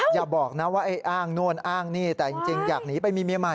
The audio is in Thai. อย่าบอกนะว่าไอ้อ้างโน่นอ้างนี่แต่จริงอยากหนีไปมีเมียใหม่